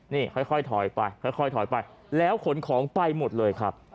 นี่ค่อยถอยไปค่อยถอยไปแล้วขนของไปหมดเลยครับ